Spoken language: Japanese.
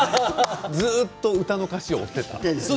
ずっと歌の歌詞を追っていた。